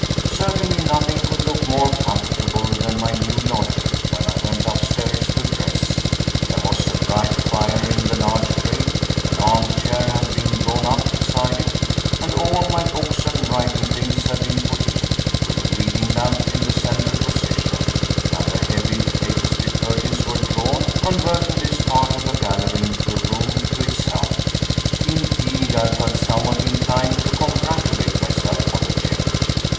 Certainly nothing could look more comfortable than my new lodging when I went upstairs to dress. There was a bright fire in the large grate, an armchair had been drawn up beside it, and all my books and writing things had been put in, with a reading lamp in the central position, and the heavy tapestry curtains were drawn, converting this part of the gallery into a room to itself. Indeed, I felt somewhat inclined to congratulate myself on the change.